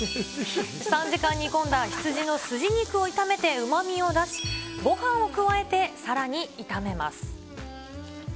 ３時間煮込んだ羊のすじ肉を炒めてうまみを出し、ごはんを加えてさらに炒めます。